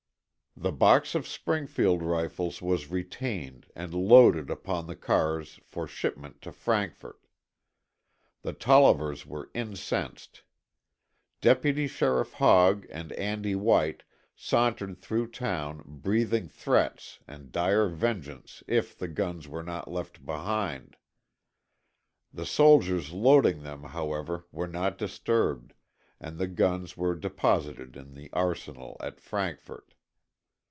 The box of Springfield rifles was retained and loaded upon the cars for shipment to Frankfort. The Tollivers were incensed. Deputy Sheriff Hogg and Andy White sauntered through town breathing threats and dire vengeance if the guns were not left behind. The soldiers loading them, however, were not disturbed, and the guns were deposited in the arsenal at Frankfort.